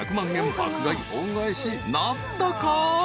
爆買い恩返しなったか？］